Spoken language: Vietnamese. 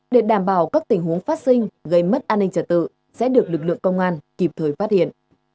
để đảm bảo các tình huống phát sinh gây mất an ninh trả tự sẽ được lực lượng công an kịp thời phát hiện